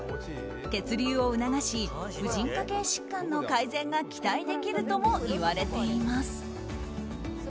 血流を促し婦人科系疾患の改善が期待できるともいわれています。